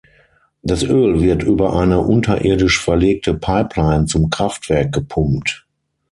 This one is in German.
Das Öl wird über eine unterirdisch verlegte Pipeline zum Kraftwerk gepumpt.